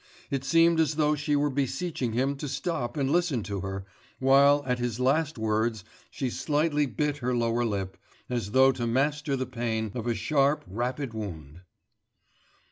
It seemed as though she were beseeching him to stop and listen to her, while, at his last words, she slightly bit her lower lip, as though to master the pain of a sharp, rapid wound.